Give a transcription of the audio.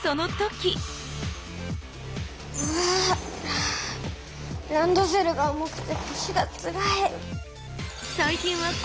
あぁランドセルが重くて腰がつらい。